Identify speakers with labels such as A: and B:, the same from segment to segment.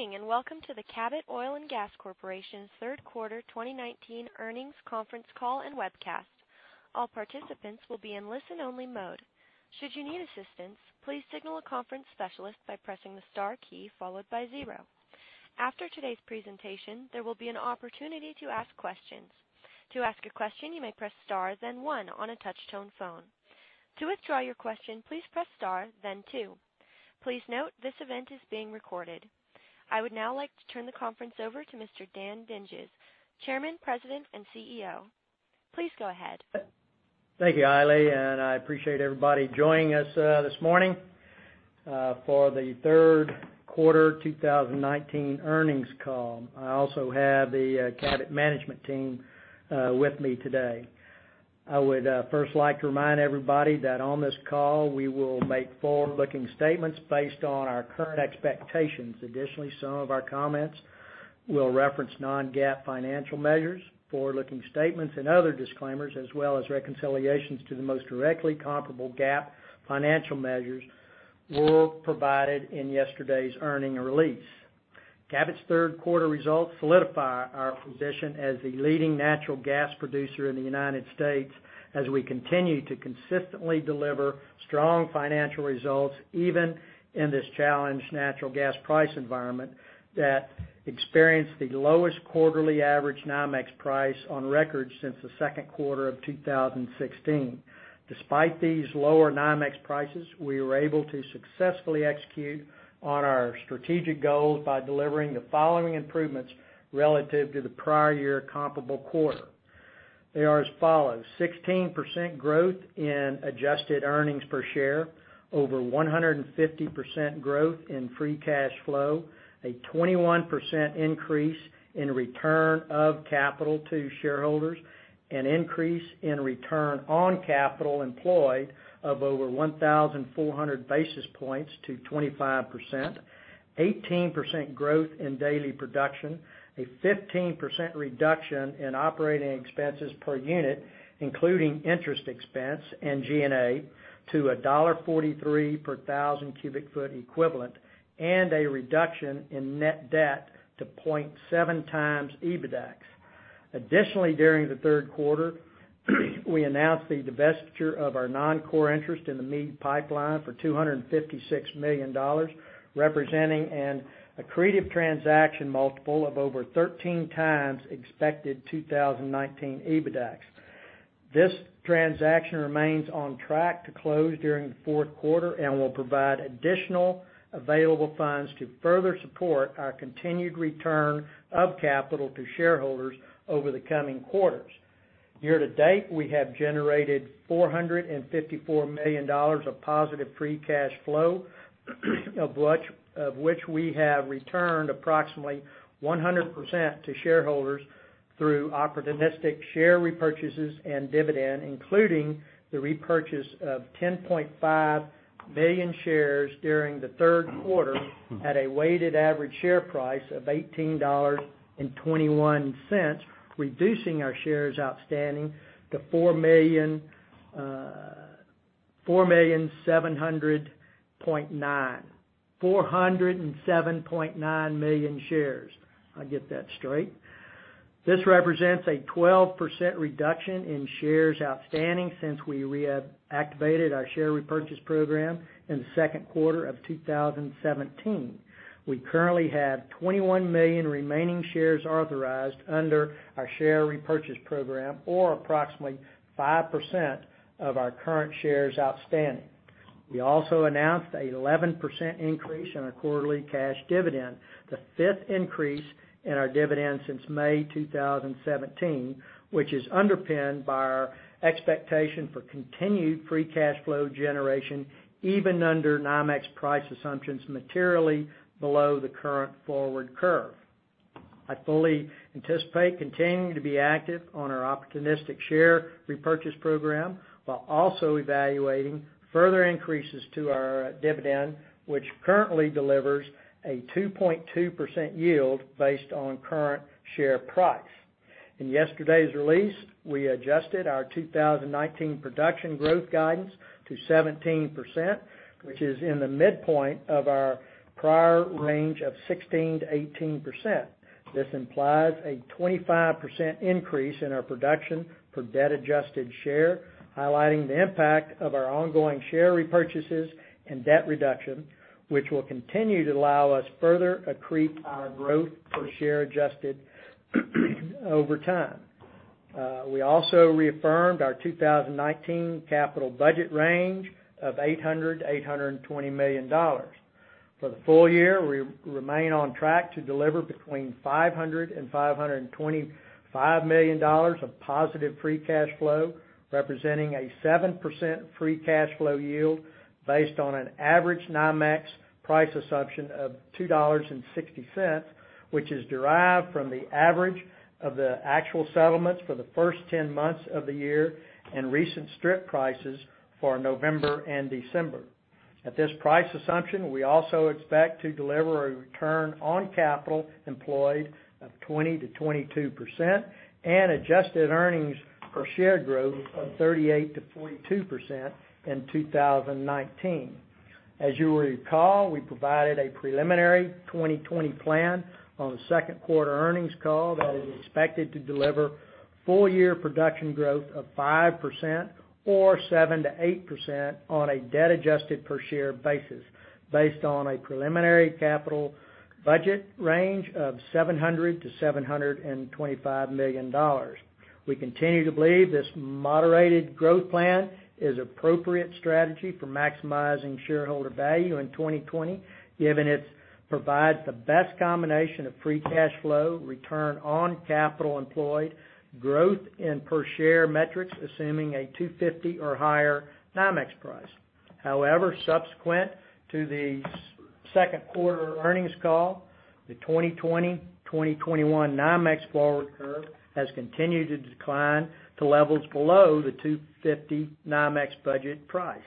A: Good morning. Welcome to the Cabot Oil & Gas Corporation's third quarter 2019 earnings conference call and webcast. All participants will be in listen only mode. Should you need assistance, please signal a conference specialist by pressing the star key followed by zero. After today's presentation, there will be an opportunity to ask questions. To ask a question, you may press star then one on a touch-tone phone. To withdraw your question, please press star then two. Please note, this event is being recorded. I would now like to turn the conference over to Mr. Dan Dinges, Chairman, President, and CEO. Please go ahead.
B: Thank you, Hailey, and I appreciate everybody joining us this morning for the third quarter 2019 earnings call. I also have the Cabot management team with me today. I would first like to remind everybody that on this call, we will make forward-looking statements based on our current expectations. Additionally, some of our comments will reference non-GAAP financial measures, forward-looking statements and other disclaimers, as well as reconciliations to the most directly comparable GAAP financial measures were provided in yesterday's earning release. Cabot's third quarter results solidify our position as the leading natural gas producer in the U.S. as we continue to consistently deliver strong financial results, even in this challenged natural gas price environment that experienced the lowest quarterly average NYMEX price on record since the second quarter of 2016. Despite these lower NYMEX prices, we were able to successfully execute on our strategic goals by delivering the following improvements relative to the prior year comparable quarter. They are as follows. 16% growth in adjusted earnings per share, over 150% growth in free cash flow, a 21% increase in return of capital to shareholders, an increase in return on capital employed of over 1,400 basis points to 25%, 18% growth in daily production, a 15% reduction in operating expenses per unit, including interest expense and G&A, to $1.43 per thousand cubic foot equivalent, and a reduction in net debt to 0.7 times EBITDAX. Additionally, during the third quarter, we announced the divestiture of our non-core interest in the Meade Pipeline for $256 million, representing an accretive transaction multiple of over 13 times expected 2019 EBITDAX. This transaction remains on track to close during the fourth quarter and will provide additional available funds to further support our continued return of capital to shareholders over the coming quarters. Year to date, we have generated $454 million of positive free cash flow, of which we have returned approximately 100% to shareholders through opportunistic share repurchases and dividend, including the repurchase of 10.5 million shares during the third quarter at a weighted average share price of $18.21, reducing our shares outstanding to 407.9 million shares. I'll get that straight. This represents a 12% reduction in shares outstanding since we reactivated our share repurchase program in the second quarter of 2017. We currently have 21 million remaining shares authorized under our share repurchase program, or approximately 5% of our current shares outstanding. We also announced an 11% increase in our quarterly cash dividend, the fifth increase in our dividend since May 2017, which is underpinned by our expectation for continued free cash flow generation, even under NYMEX price assumptions materially below the current forward curve. I fully anticipate continuing to be active on our opportunistic share repurchase program while also evaluating further increases to our dividend, which currently delivers a 2.2% yield based on current share price. In yesterday's release, we adjusted our 2019 production growth guidance to 17%, which is in the midpoint of our prior range of 16%-18%. This implies a 25% increase in our production per debt adjusted share, highlighting the impact of our ongoing share repurchases and debt reduction, which will continue to allow us further accrete our growth per share adjusted over time. We also reaffirmed our 2019 capital budget range of $800 million-$820 million. For the full year, we remain on track to deliver between $500 and $525 million of positive free cash flow, representing a 7% free cash flow yield based on an average NYMEX price assumption of $2.60, which is derived from the average of the actual settlements for the first 10 months of the year and recent strip prices for November and December. At this price assumption, we also expect to deliver a return on capital employed of 20%-22% and adjusted earnings per share growth of 38%-42% in 2019. As you recall, we provided a preliminary 2020 plan on the second quarter earnings call that is expected to deliver full year production growth of 5% or 7%-8% on a debt adjusted per share basis, based on a preliminary capital budget range of $700 million-$725 million. We continue to believe this moderated growth plan is appropriate strategy for maximizing shareholder value in 2020, given it provides the best combination of free cash flow, return on capital employed, growth in per share metrics, assuming a $2.50 or higher NYMEX price. Subsequent to the second quarter earnings call, the 2020-2021 NYMEX forward curve has continued to decline to levels below the $2.50 NYMEX budget price.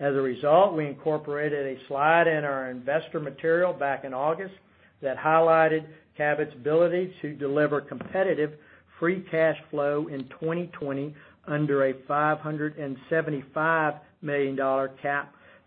B: As a result, we incorporated a slide in our investor material back in August that highlighted Cabot's ability to deliver competitive free cash flow in 2020 under a $575 million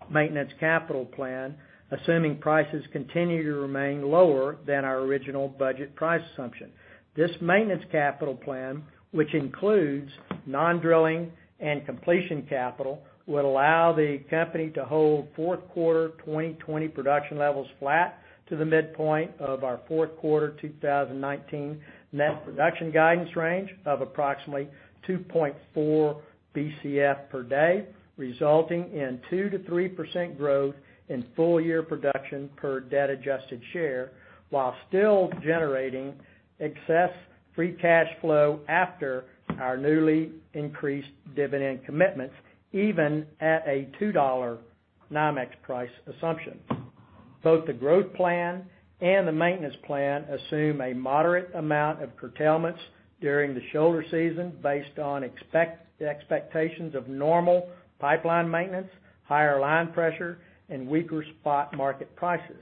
B: maintenance capital plan, assuming prices continue to remain lower than our original budget price assumption. This maintenance capital plan, which includes non-drilling and completion capital, would allow the company to hold fourth quarter 2020 production levels flat to the midpoint of our fourth quarter 2019 net production guidance range of approximately 2.4 Bcf per day, resulting in 2%-3% growth in full year production per debt adjusted share, while still generating excess free cash flow after our newly increased dividend commitments, even at a $2 NYMEX price assumption. Both the growth plan and the maintenance plan assume a moderate amount of curtailments during the shoulder season based on expectations of normal pipeline maintenance, higher line pressure, and weaker spot market prices.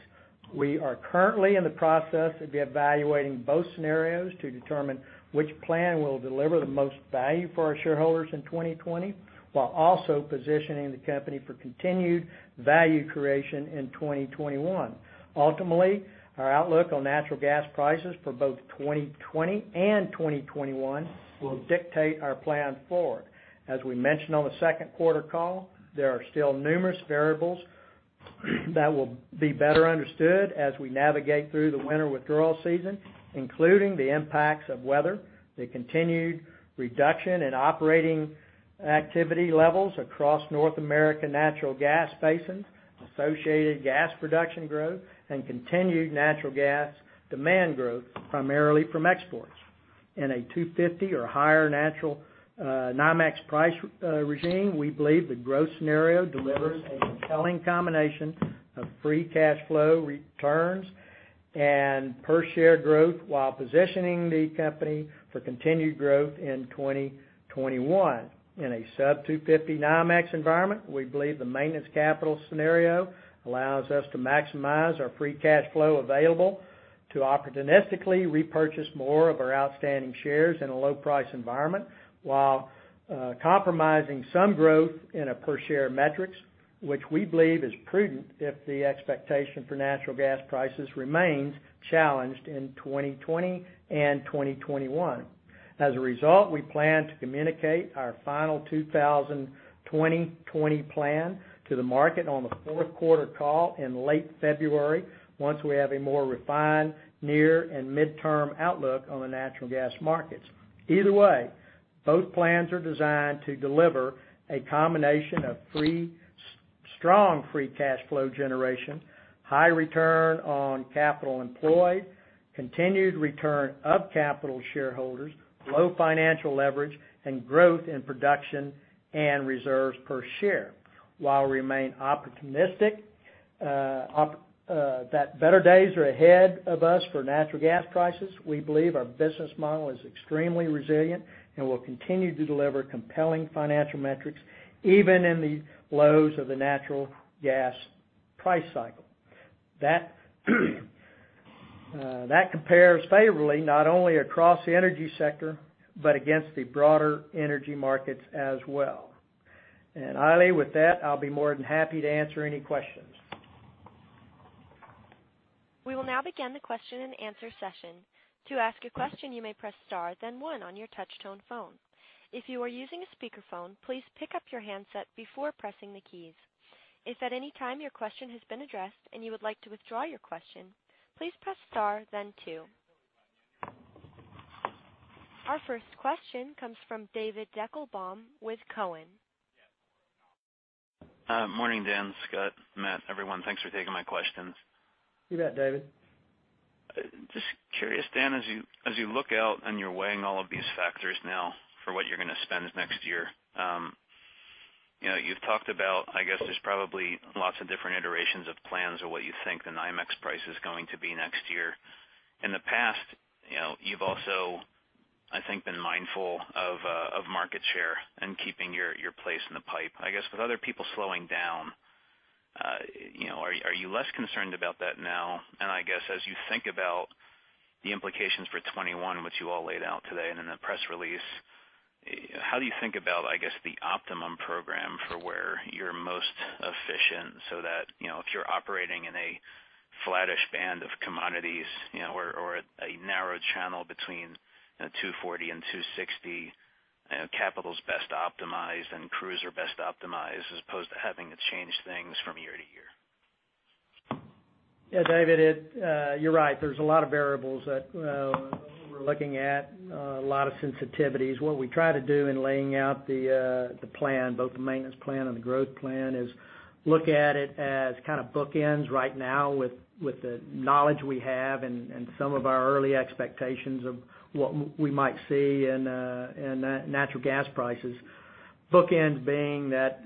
B: We are currently in the process of evaluating both scenarios to determine which plan will deliver the most value for our shareholders in 2020, while also positioning the company for continued value creation in 2021. Ultimately, our outlook on natural gas prices for both 2020 and 2021 will dictate our plan forward. As we mentioned on the second quarter call, there are still numerous variables that will be better understood as we navigate through the winter withdrawal season, including the impacts of weather, the continued reduction in operating activity levels across North American natural gas basins, associated gas production growth, and continued natural gas demand growth, primarily from exports. In a $2.50 or higher NYMEX price regime, we believe the growth scenario delivers a compelling combination of free cash flow returns and per share growth while positioning the company for continued growth in 2021. In a sub $2.50 NYMEX environment, we believe the maintenance capital scenario allows us to maximize our free cash flow available to opportunistically repurchase more of our outstanding shares in a low price environment while compromising some growth in our per share metrics, which we believe is prudent if the expectation for natural gas prices remains challenged in 2020 and 2021. As a result, we plan to communicate our final 2020 plan to the market on the fourth quarter call in late February once we have a more refined near and midterm outlook on the natural gas markets. Either way, both plans are designed to deliver a combination of strong free cash flow generation, high return on capital employed, continued return of capital to shareholders, low financial leverage, and growth in production and reserves per share. While we remain opportunistic that better days are ahead of us for natural gas prices, we believe our business model is extremely resilient and will continue to deliver compelling financial metrics even in the lows of the natural gas price cycle. That compares favorably not only across the energy sector, but against the broader energy markets as well. With that, I'll be more than happy to answer any questions.
A: We will now begin the question and answer session. To ask a question, you may press star, then one on your touch tone phone. If you are using a speakerphone, please pick up your handset before pressing the keys. If at any time your question has been addressed and you would like to withdraw your question, please press star then two. Our first question comes from David Deckelbaum with Cowen.
C: Morning, Dan, Scott, Matt, everyone. Thanks for taking my questions.
B: You bet, David.
C: Just curious, Dan, as you look out and you're weighing all of these factors now for what you're going to spend next year. You've talked about, I guess, there's probably lots of different iterations of plans of what you think the NYMEX price is going to be next year. In the past, you've also, I think, been mindful of market share and keeping your place in the pipe. I guess with other people slowing down, are you less concerned about that now? I guess as you think about the implications for 2021, which you all laid out today and in the press release, how do you think about, I guess, the optimum program for where you're most efficient so that if you're operating in a flattish band of commodities or a narrow channel between $2.40 and $2.60, capital's best optimized and crews are best optimized, as opposed to having to change things from year to year?
B: Yeah, David, you're right. There's a lot of variables that we're looking at, a lot of sensitivities. What we try to do in laying out the plan, both the maintenance plan and the growth plan, is look at it as bookends right now with the knowledge we have and some of our early expectations of what we might see in natural gas prices. Bookends being that,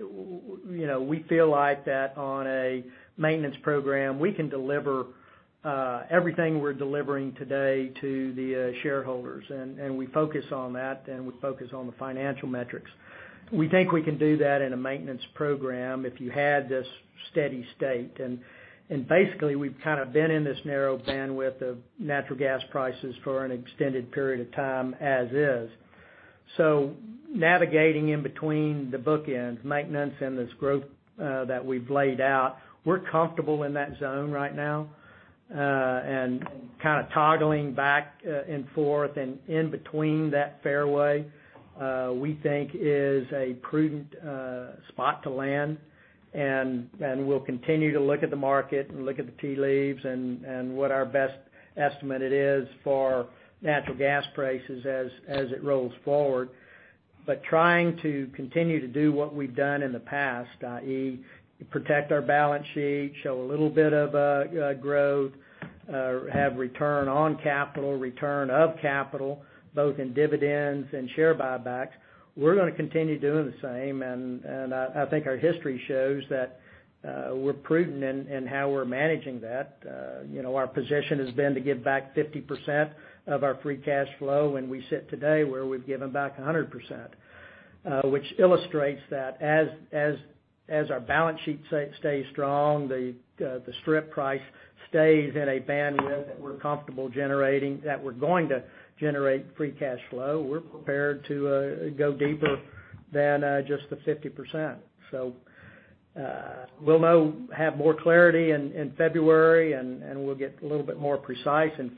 B: we feel like that on a maintenance program, we can deliver everything we're delivering today to the shareholders, and we focus on that, and we focus on the financial metrics. We think we can do that in a maintenance program if you had this steady state. Basically, we've been in this narrow bandwidth of natural gas prices for an extended period of time as is. Navigating in between the bookends, maintenance and this growth that we've laid out, we're comfortable in that zone right now. Toggling back and forth and in between that fairway, we think is a prudent spot to land. We'll continue to look at the market and look at the tea leaves and what our best estimate it is for natural gas prices as it rolls forward. Trying to continue to do what we've done in the past, i.e., protect our balance sheet, show a little bit of growth, have return on capital, return of capital, both in dividends and share buybacks. We're going to continue doing the same, and I think our history shows that we're prudent in how we're managing that. Our position has been to give back 50% of our free cash flow, and we sit today where we've given back 100%, which illustrates that as our balance sheet stays strong, the strip price stays in a bandwidth that we're comfortable generating, that we're going to generate free cash flow. We're prepared to go deeper than just the 50%. We'll have more clarity in February, and we'll get a little bit more precise in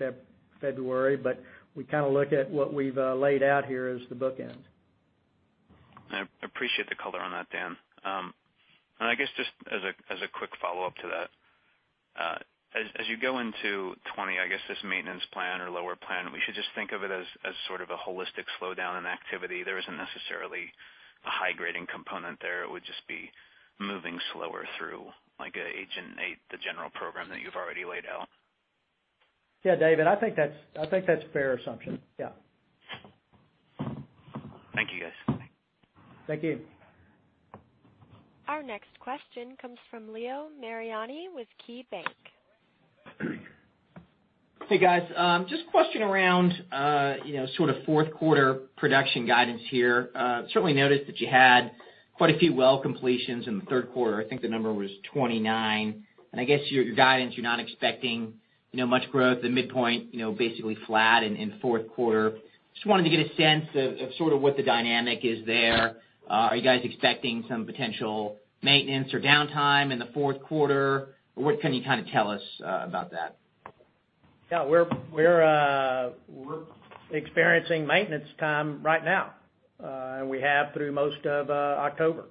B: February, but we look at what we've laid out here as the bookends.
C: I appreciate the color on that, Dan. I guess just as a quick follow-up to that, as you go into 2020, I guess this maintenance plan or lower plan, we should just think of it as sort of a holistic slowdown in activity. There isn't necessarily a high-grading component there. It would just be moving slower through like a Gen 8, the general program that you've already laid out.
B: Yeah, David, I think that's a fair assumption. Yeah.
C: Thank you, guys.
B: Thank you.
A: Our next question comes from Leo Mariani with KeyBank.
D: Hey, guys. Just a question around fourth quarter production guidance here. Certainly noticed that you had quite a few well completions in the third quarter. I think the number was 29. I guess your guidance, you're not expecting much growth at midpoint, basically flat in the fourth quarter. Just wanted to get a sense of what the dynamic is there. Are you guys expecting some potential maintenance or downtime in the fourth quarter? What can you tell us about that?
B: Yeah, we're experiencing maintenance time right now. We have through most of October.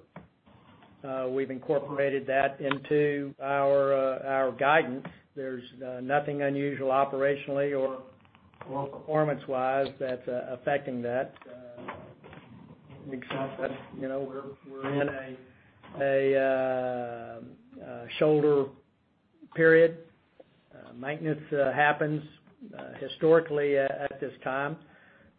B: We've incorporated that into our guidance. There's nothing unusual operationally or well performance wise that's affecting that. Except that we're in a shoulder period. Maintenance happens historically at this time.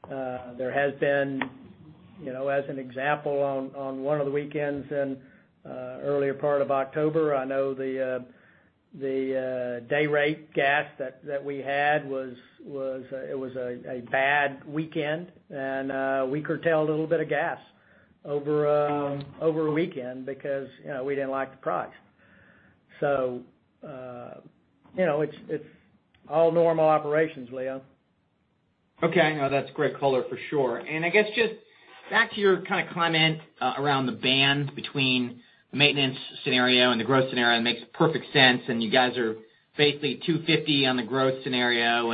B: There has been, as an example, on one of the weekends in the earlier part of October, I know the day rate gas that we had, it was a bad weekend, and we curtailed a little bit of gas over a weekend because we didn't like the price. It's all normal operations, Leo.
D: Okay. No, that's great color for sure. I guess just back to your comment around the band between the maintenance scenario and the growth scenario, it makes perfect sense, and you guys are basically 250 on the growth scenario.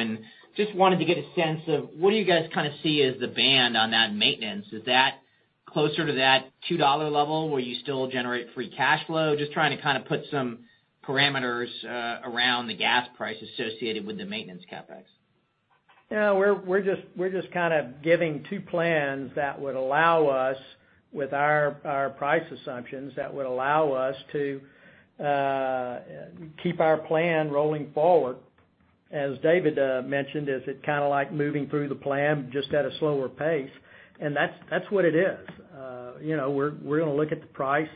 D: Just wanted to get a sense of what do you guys see as the band on that maintenance? Is that closer to that $2 level where you still generate free cash flow? Just trying to put some parameters around the gas price associated with the maintenance CapEx.
B: We're just giving two plans that would allow us with our price assumptions, that would allow us to keep our plan rolling forward. As David mentioned, is it kind of like moving through the plan just at a slower pace? That's what it is. We're going to look at the price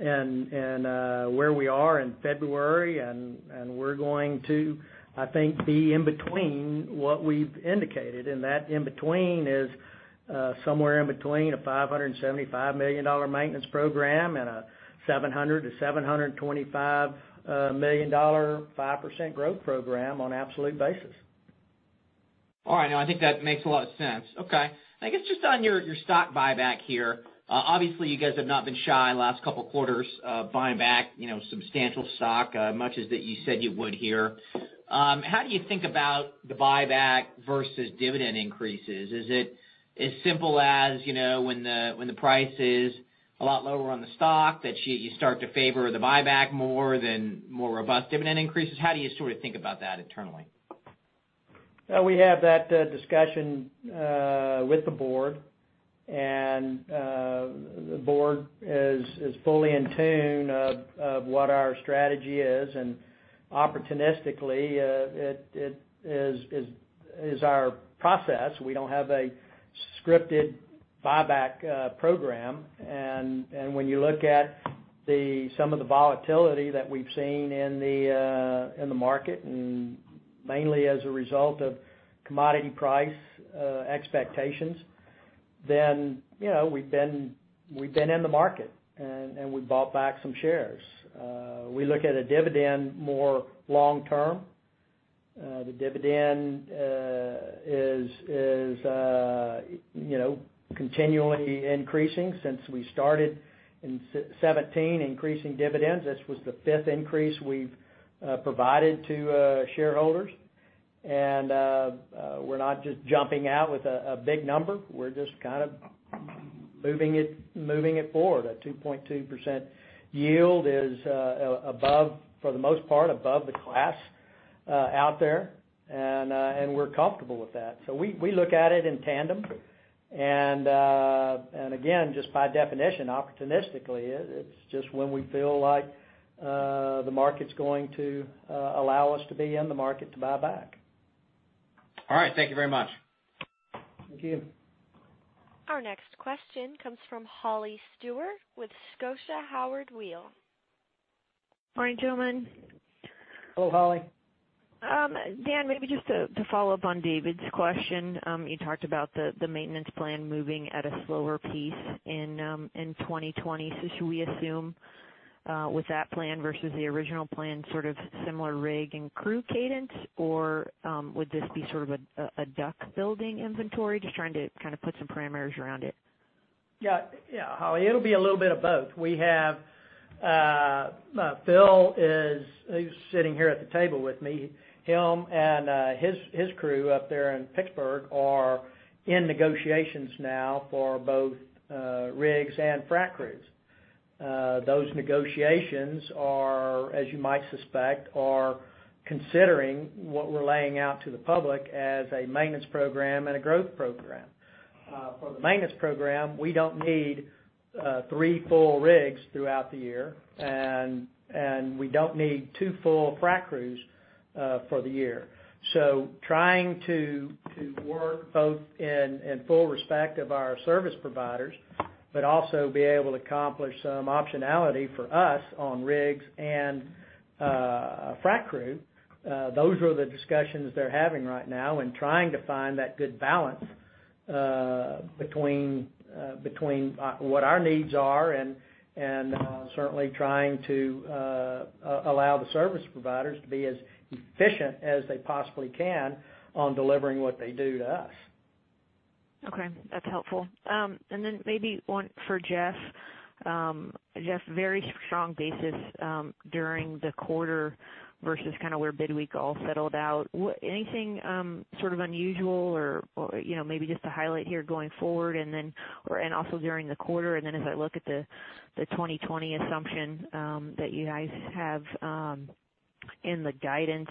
B: and where we are in February, and we're going to, I think, be in between what we've indicated. That in between is somewhere in between a $575 million maintenance program and a $700 million-$725 million, 5% growth program on an absolute basis.
D: All right. No, I think that makes a lot of sense. Okay. I guess just on your stock buyback here, obviously you guys have not been shy last couple quarters buying back substantial stock, much as that you said you would here. How do you think about the buyback versus dividend increases? Is it as simple as when the price is a lot lower on the stock, that you start to favor the buyback more than more robust dividend increases? How do you think about that internally?
B: We have that discussion with the board, and the board is fully in tune of what our strategy is, and opportunistically it is our process. We don't have a scripted buyback program. When you look at some of the volatility that we've seen in the market, and mainly as a result of commodity price expectations, then we've been in the market, and we've bought back some shares. We look at a dividend more long term. The dividend is continually increasing since we started in 2017 increasing dividends. This was the fifth increase we've provided to shareholders, and we're not just jumping out with a big number. We're just moving it forward. A 2.2% yield is above, for the most part, above the class out there, and we're comfortable with that. We look at it in tandem, and again, just by definition, opportunistically, it's just when we feel like the market's going to allow us to be in the market to buy back.
D: All right. Thank you very much.
B: Thank you.
A: Our next question comes from Holly Stewart with Howard Weil Incorporated.
E: Morning, gentlemen.
B: Hello, Holly.
E: Dan, maybe just to follow up on David's question. You talked about the maintenance plan moving at a slower pace in 2020. Should we assume with that plan versus the original plan sort of similar rig and crew cadence, or would this be a duck building inventory? Just trying to put some parameters around it.
B: Yeah, Holly. It'll be a little bit of both. Phil is sitting here at the table with me. Him and his crew up there in Pittsburgh are in negotiations now for both rigs and frac crews. Those negotiations are, as you might suspect, considering what we're laying out to the public as a maintenance program and a growth program. For the maintenance program, we don't need three full rigs throughout the year, and we don't need two full frac crews for the year. Trying to work both in full respect of our service providers, but also be able to accomplish some optionality for us on rigs and frac crew. Those are the discussions they're having right now and trying to find that good balance between what our needs are and certainly trying to allow the service providers to be as efficient as they possibly can on delivering what they do to us.
E: Okay, that's helpful. Maybe one for Jeff. Jeff, very strong basis during the quarter versus where bid week all settled out. Anything unusual or maybe just to highlight here going forward and also during the quarter, and then as I look at the 2020 assumption that you guys have in the guidance.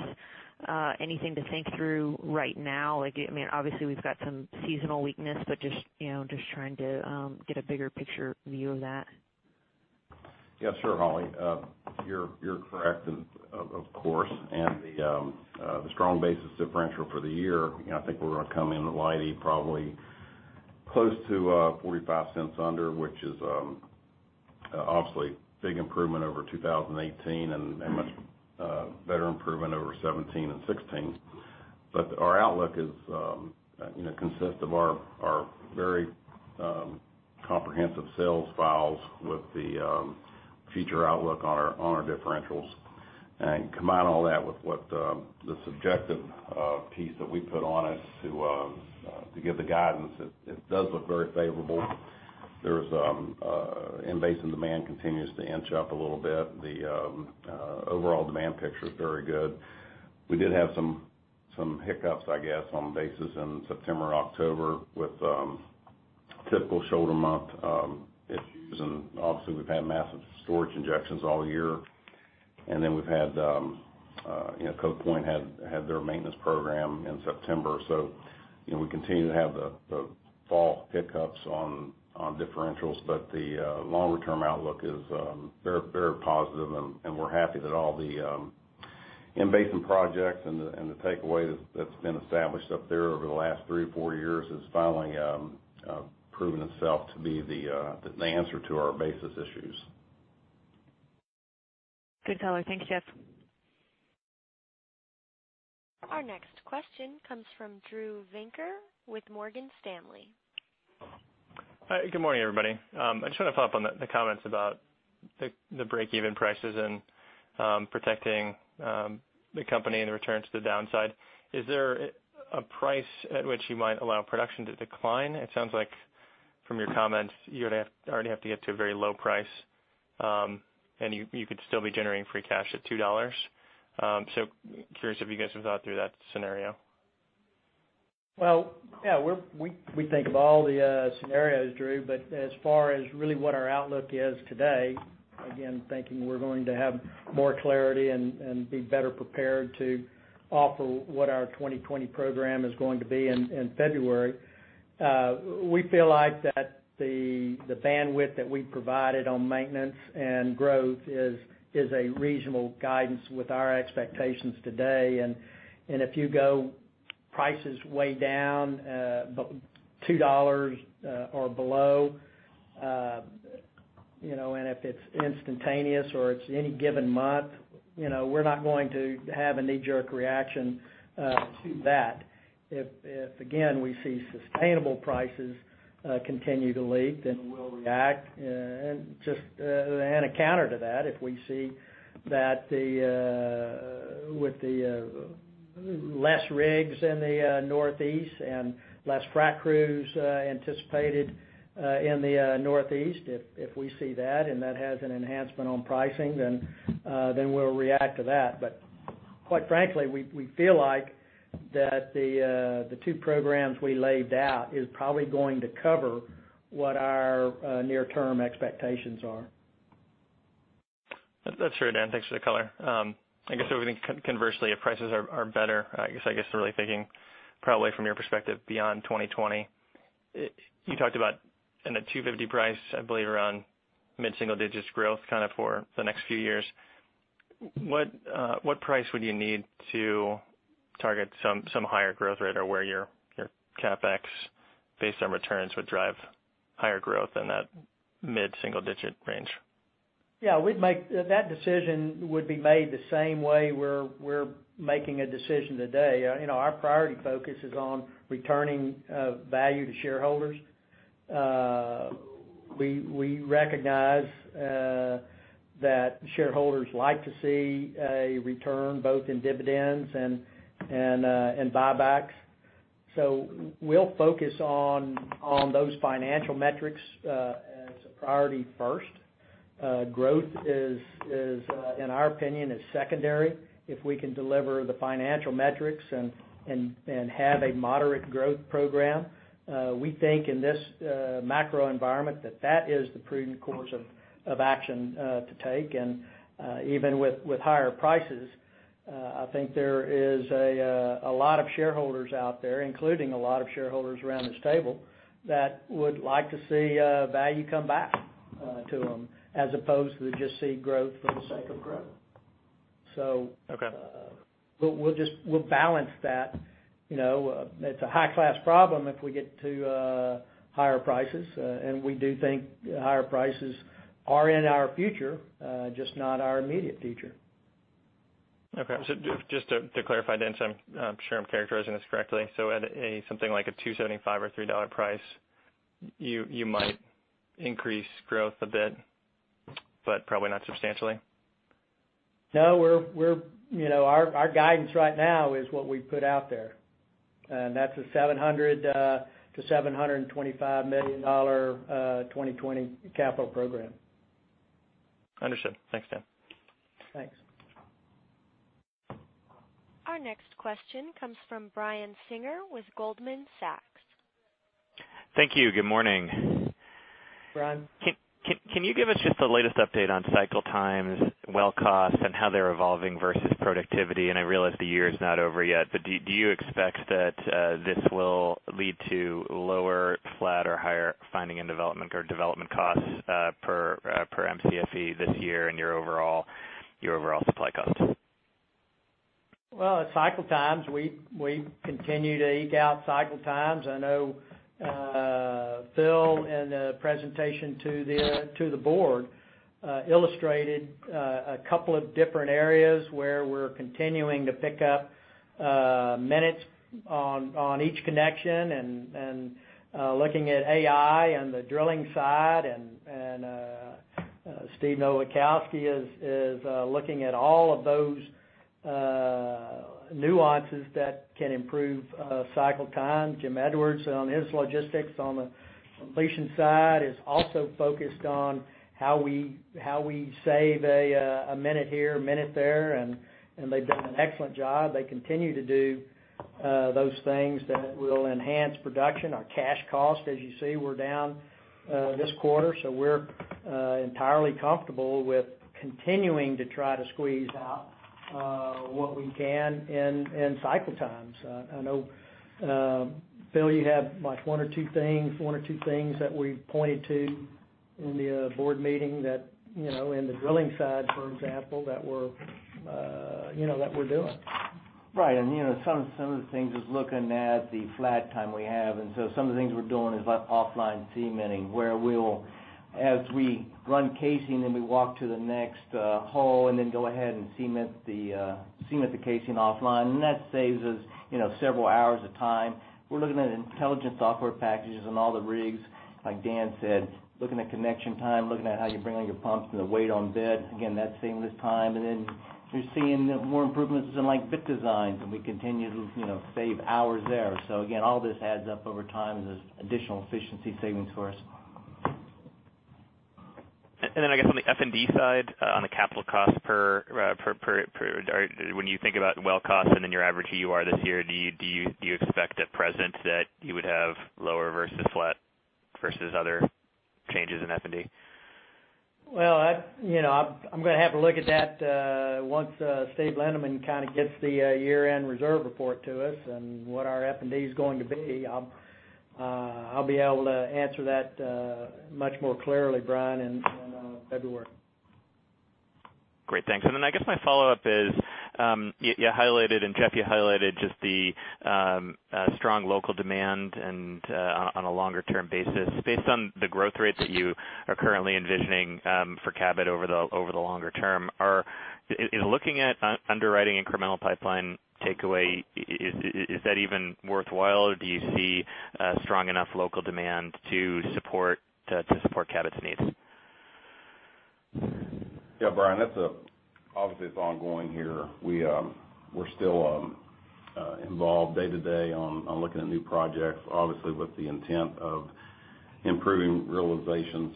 E: Anything to think through right now? Obviously, we've got some seasonal weakness, just trying to get a bigger picture view of that.
F: Sure, Holly. You're correct, of course, the strong basis differential for the year, I think we're going to come in lightly probably close to $0.45 under, which is obviously a big improvement over 2018 and much better improvement over 2017 and 2016. Our outlook consists of our very comprehensive sales files with the future outlook on our differentials, and combine all that with the subjective piece that we put on it to give the guidance. It does look very favorable. There's in-basin demand continues to inch up a little bit. The overall demand picture is very good. We did have some hiccups, I guess, on basis in September and October with typical shoulder month issues, and obviously we've had massive storage injections all year. Then Cove Point had their maintenance program in September. We continue to have the fall hiccups on differentials, but the longer-term outlook is very positive, and we're happy that all the in-basin projects and the takeaway that's been established up there over the last three or four years has finally proven itself to be the answer to our basis issues.
E: Good color. Thanks, Jeff.
A: Our next question comes from Drew Venker with Morgan Stanley.
G: Hi. Good morning, everybody. I just want to follow up on the comments about the break-even prices and protecting the company and the returns to the downside. Is there a price at which you might allow production to decline? It sounds like from your comments, you would already have to get to a very low price, and you could still be generating free cash at $2. Curious if you guys have thought through that scenario.
B: Well, yeah, we think of all the scenarios, Drew, but as far as really what our outlook is today, again, thinking we're going to have more clarity and be better prepared to offer what our 2020 program is going to be in February. We feel like that the bandwidth that we provided on maintenance and growth is a reasonable guidance with our expectations today. If you go prices way down, $2 or below, and if it's instantaneous or it's any given month, we're not going to have a knee-jerk reaction to that. If again, we see sustainable prices continue to leak, then we'll react. Just on a counter to that, if we see that with the less rigs in the Northeast and less frac crews anticipated in the Northeast, if we see that, and that has an enhancement on pricing, then we'll react to that. Quite frankly, we feel like that the two programs we laid out is probably going to cover what our near-term expectations are.
G: That's fair, Dan. Thanks for the color. I guess what we think conversely, if prices are better, I guess really thinking probably from your perspective beyond 2020, you talked about in the $2.50 price, I believe around mid-single digits growth for the next few years. What price would you need to target some higher growth rate, or where your CapEx based on returns would drive higher growth in that mid-single-digit range?
B: Yeah, that decision would be made the same way we're making a decision today. Our priority focus is on returning value to shareholders. We recognize that shareholders like to see a return both in dividends and buybacks. We'll focus on those financial metrics as a priority first. Growth is, in our opinion, is secondary. If we can deliver the financial metrics and have a moderate growth program, we think in this macro environment that that is the prudent course of action to take. Even with higher prices, I think there is a lot of shareholders out there, including a lot of shareholders around this table that would like to see value come back to them as opposed to just see growth for the sake of growth.
G: Okay.
B: We'll balance that. It's a high-class problem if we get to higher prices. We do think higher prices are in our future, just not our immediate future.
G: Okay. Just to clarify then, so I'm sure I'm characterizing this correctly. At something like a $2.75 or $3 price, you might increase growth a bit, but probably not substantially?
B: No, our guidance right now is what we've put out there, and that's a $700 million-$725 million 2020 capital program.
G: Understood. Thanks, Dan.
B: Thanks.
A: Our next question comes from Brian Singer with Goldman Sachs.
H: Thank you. Good morning.
B: Brian.
H: Can you give us just the latest update on cycle times, well costs, and how they're evolving versus productivity? I realize the year is not over yet. Do you expect that this will lead to lower, flat, or higher finding and development or development costs per MCFE this year in your overall supply costs?
B: Well, at cycle times, we continue to eke out cycle times. I know Phil, in the presentation to the board, illustrated a couple of different areas where we're continuing to pick up minutes on each connection and looking at AI on the drilling side. Steve Nowakowski is looking at all of those nuances that can improve cycle time. Jim Edwards on his logistics on the completion side is also focused on how we save a minute here, a minute there. They've done an excellent job. They continue to do those things that will enhance production. Our cash cost, as you see, we're down this quarter. We're entirely comfortable with continuing to try to squeeze out what we can in cycle times. I know Phil, you had one or two things that we pointed to in the board meeting that in the drilling side, for example, that we're doing.
I: Right. Some of the things is looking at the flat time we have, and so some of the things we're doing is offline cementing, where we will. As we run casing, we walk to the next hole and go ahead and cement the casing offline. That saves us several hours of time. We're looking at intelligent software packages on all the rigs, like Dan said, looking at connection time, looking at how you bring on your pumps and the weight on bit. Again, that's saving us time. You're seeing more improvements in bit designs, we continue to save hours there. Again, all this adds up over time as additional efficiency savings for us.
H: I guess on the F&D side, when you think about well cost and then your average EUR this year, do you expect at present that you would have lower versus flat, versus other changes in F&D?
B: Well, I'm going to have a look at that once Steve Lindeman gets the year-end reserve report to us and what our F&D is going to be. I'll be able to answer that much more clearly, Brian, in February.
H: Great. Thanks. I guess my follow-up is, you highlighted, and Jeff, you highlighted just the strong local demand and on a longer-term basis. Based on the growth rates that you are currently envisioning for Cabot over the longer term, looking at underwriting incremental pipeline takeaway, is that even worthwhile, or do you see strong enough local demand to support Cabot's needs?
F: Yeah, Brian, obviously, it's ongoing here. We're still involved day-to-day on looking at new projects, obviously with the intent of improving realizations.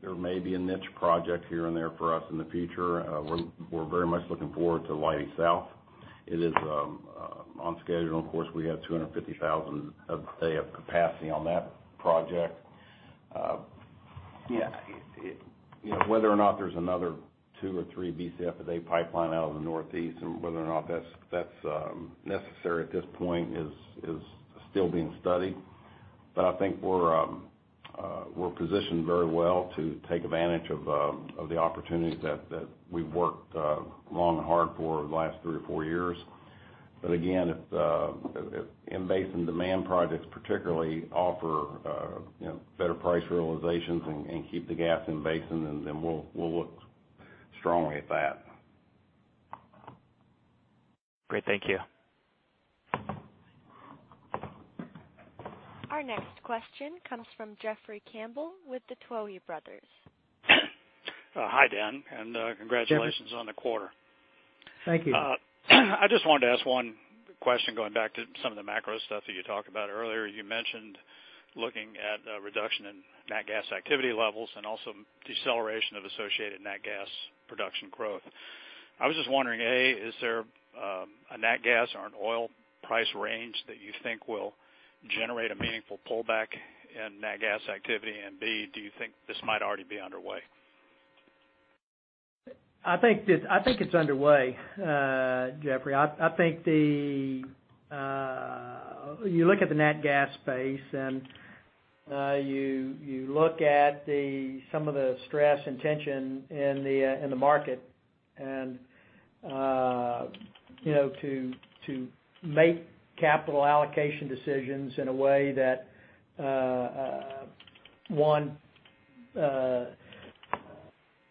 F: There may be a niche project here and there for us in the future. We're very much looking forward to Leidy South. It is on schedule. Of course, we have 250,000 MMBtu of capacity on that project. Whether or not there's another 2 or 3 Bcf a day pipeline out of the Northeast and whether or not that's necessary at this point is still being studied. I think we're positioned very well to take advantage of the opportunities that we've worked long and hard for over the last 3 or 4 years. Again, if in-basin demand projects particularly offer better price realizations and keep the gas in-basin, then we'll look strongly at that.
H: Great. Thank you.
A: Our next question comes from Jeffrey Campbell with the Tuohy Brothers.
J: Hi, Dan, and congratulations.
B: Jeffrey
J: on the quarter.
B: Thank you.
J: I just wanted to ask one question going back to some of the macro stuff that you talked about earlier. You mentioned looking at a reduction in nat gas activity levels and also deceleration of associated nat gas production growth. I was just wondering, A, is there a nat gas or an oil price range that you think will generate a meaningful pullback in nat gas activity? B, do you think this might already be underway?
B: I think it's underway, Jeffrey. I think you look at the nat gas space, and you look at some of the stress and tension in the market, and to make capital allocation decisions in a way that, one,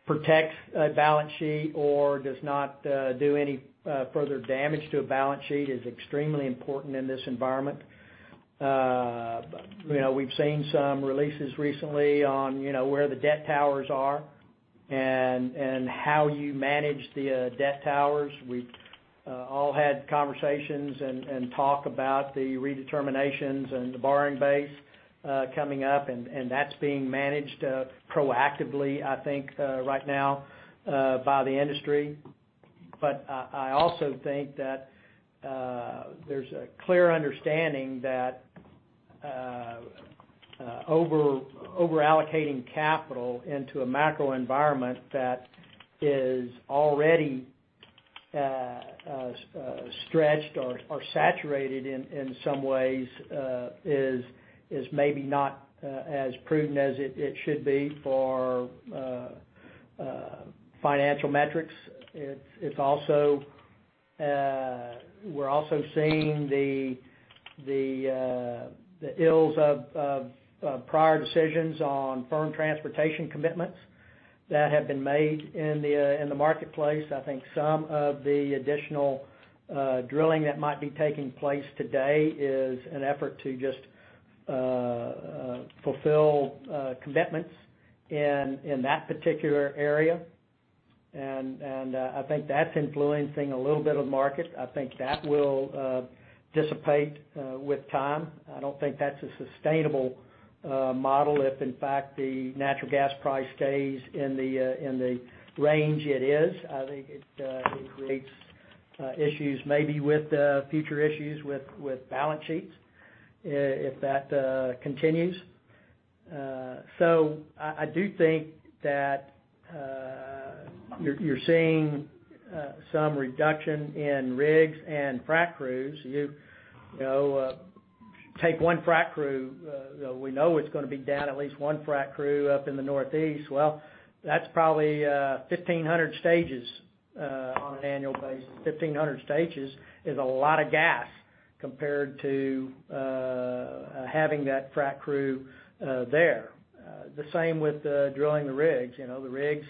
B: protects a balance sheet or does not do any further damage to a balance sheet is extremely important in this environment. We've seen some releases recently on where the debt towers are and how you manage the debt towers. We've all had conversations and talk about the redeterminations and the borrowing base coming up, and that's being managed proactively, I think, right now by the industry. I also think that there's a clear understanding that over-allocating capital into a macro environment that is already stretched or saturated in some ways is maybe not as prudent as it should be for financial metrics. We're also seeing the ills of prior decisions on firm transportation commitments that have been made in the marketplace. I think some of the additional drilling that might be taking place today is an effort to just fulfill commitments in that particular area. I think that's influencing a little bit of market. I think that will dissipate with time. I don't think that's a sustainable model if, in fact, the natural gas price stays in the range it is. I think it creates issues, maybe future issues with balance sheets if that continues. I do think that you're seeing some reduction in rigs and frac crews. You take one frac crew, we know it's going to be down at least one frac crew up in the Northeast. That's probably 1,500 stages on an annual basis. 1,500 stages is a lot of gas. Compared to having that frac crew there. The same with drilling the rigs. The rigs,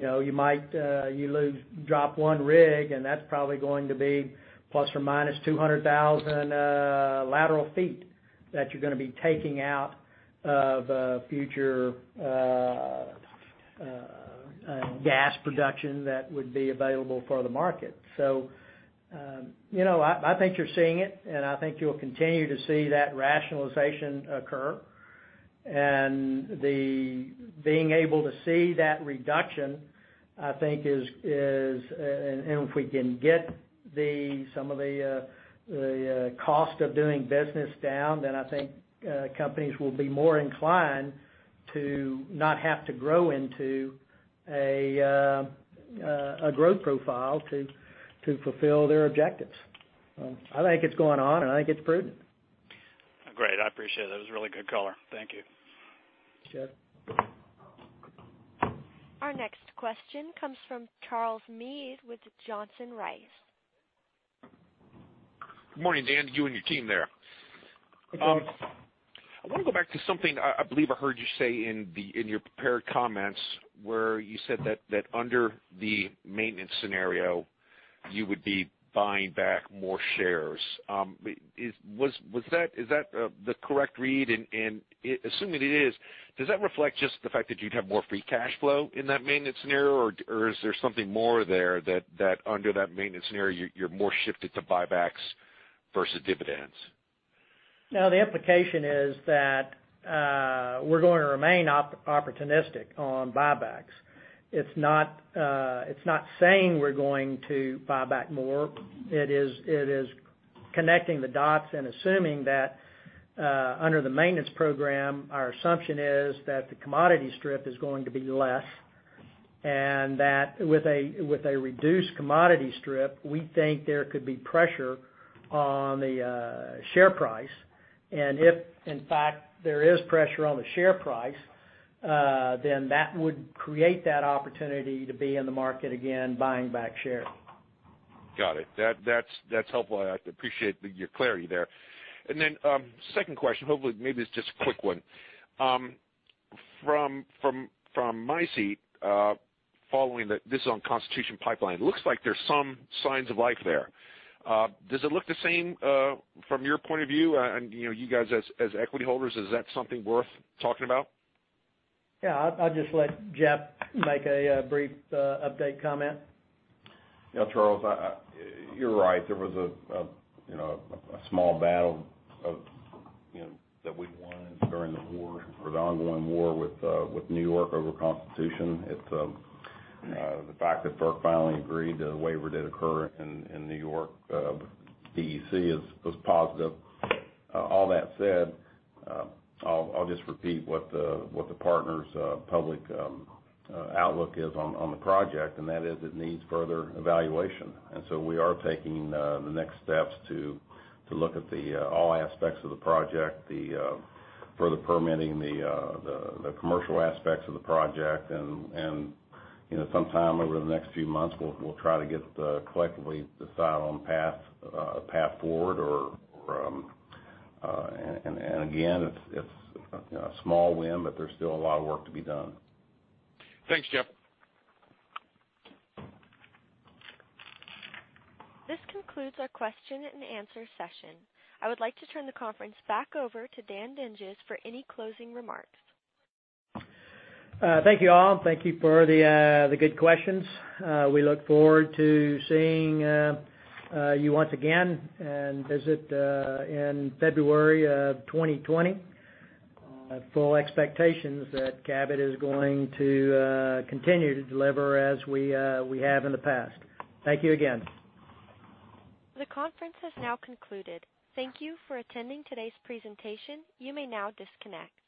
B: you drop one rig, and that's probably going to be ±200,000 lateral feet that you're going to be taking out of future gas production that would be available for the market. I think you're seeing it, and I think you'll continue to see that rationalization occur. The being able to see that reduction, I think is, and if we can get some of the cost of doing business down, then I think companies will be more inclined to not have to grow into a growth profile to fulfill their objectives. I think it's going on, and I think it's prudent.
J: Great. I appreciate it. That was a really good color. Thank you.
B: Sure.
A: Our next question comes from Charles Meade with Johnson Rice.
K: Good morning, Dan, to you and your team there.
B: Good morning.
K: I want to go back to something I believe I heard you say in your prepared comments, where you said that under the maintenance scenario, you would be buying back more shares. Is that the correct read? Assuming it is, does that reflect just the fact that you'd have more free cash flow in that maintenance scenario, or is there something more there that under that maintenance scenario, you're more shifted to buybacks versus dividends?
B: The implication is that we're going to remain opportunistic on buybacks. It's not saying we're going to buy back more. It is connecting the dots and assuming that under the maintenance program, our assumption is that the commodity strip is going to be less, and that with a reduced commodity strip, we think there could be pressure on the share price. If, in fact, there is pressure on the share price, then that would create that opportunity to be in the market again, buying back shares.
K: Got it. That's helpful. I appreciate your clarity there. Second question, hopefully, maybe it's just a quick one. From my seat, this is on Constitution Pipeline. Looks like there's some signs of life there. Does it look the same from your point of view and you guys as equity holders, is that something worth talking about?
B: Yeah. I'll just let Jeff make a brief update comment.
F: Yeah, Charles, you're right. There was a small battle that we won during the ongoing war with New York over Constitution. The fact that FERC finally agreed, the waiver did occur in New York. DEC was positive. All that said, I'll just repeat what the partners' public outlook is on the project, and that is it needs further evaluation. We are taking the next steps to look at all aspects of the project, the further permitting, the commercial aspects of the project. Sometime over the next few months, we'll try to get the, collectively, decide on path forward and again, it's a small win, but there's still a lot of work to be done.
K: Thanks, Jeff.
A: This concludes our question and answer session. I would like to turn the conference back over to Dan Dinges for any closing remarks.
B: Thank you all. Thank you for the good questions. We look forward to seeing you once again and visit in February of 2020. I have full expectations that Cabot is going to continue to deliver as we have in the past. Thank you again.
A: The conference has now concluded. Thank you for attending today's presentation. You may now disconnect.